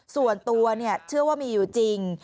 ส่วนตัวเชื่อว่ามีอยู่จริง